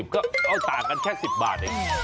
ก็เอาต่างกันแค่๑๐บาทเอง